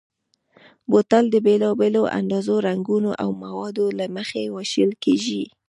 بوتل د بېلابېلو اندازو، رنګونو او موادو له مخې وېشل کېږي.